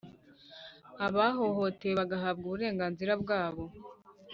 abahohotewe bagahabwa uburenganzira bwabo.